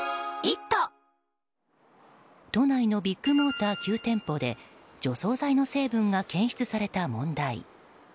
都内のビッグモーター９店舗で除草剤の成分が検出された問題。